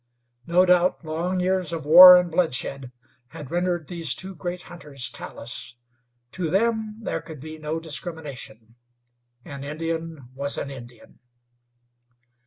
No doubt long years of war and bloodshed had rendered these two great hunters callous. To them there could be no discrimination an Indian was an Indian.